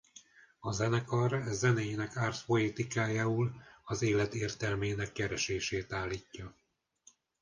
A zenekar zenéjének ars poeticájául az élet értelmének keresését állítja.